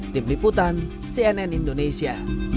tim liputan cnn indonesia